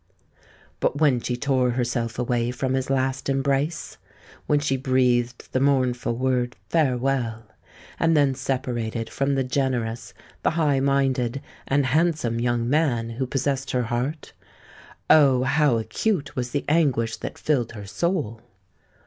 But when she tore herself away from his last embrace,—when she breathed the mournful word "Farewell," and then separated from the generous, the high minded, and handsome young man who possessed her heart,—oh! how acute was the anguish that filled her soul!